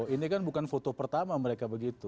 ini kan bukan foto pertama mereka begitu